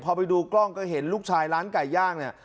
พอไปดูกล้องก็เห็นลูกชายร้านไก่ย่างเนี่ย